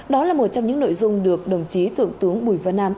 đó là một trong những nội dung được đồng chí thượng tướng bùi văn an